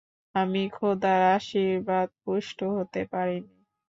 আমি খোদার আশীর্বাদ পুষ্ট হতে পারিনি।